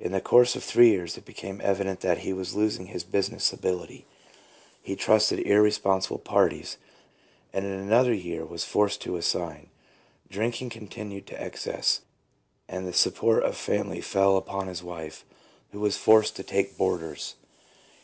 In the course of three years it became evident that he was losing his busi ness ability, he trusted irresponsible parties, and in another year was forced to assign. Drinking con tinued to excess, and the support of the family fell upon his wife, who was forced to take boarders.